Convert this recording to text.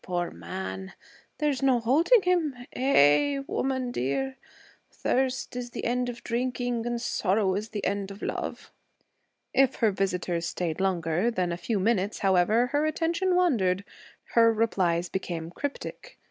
Poor man! There's no holding him? Eh, woman dear! Thirst is the end of drinking and sorrow is the end of love.' If her visitors stayed longer than a few minutes, however, her attention wandered; her replies became cryptic.